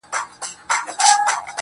کټ مټ هغسې چې د مڼې او انګور